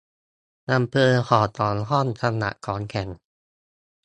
อำเภอหนองสองห้อง จังหวัดขอนแก่น